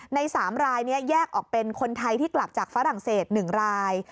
ใน๓รายนี้แยกออกเป็นคนไทยที่กลับจากฝรั่งเศส๑ราย